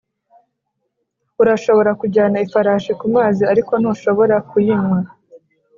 urashobora kujyana ifarashi kumazi ariko ntushobora kuyinywa.